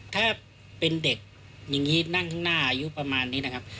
ถ้าเป็นเด็กอย่างนี้นั่งข้างหน้าอายุประมาณนี้นะครับ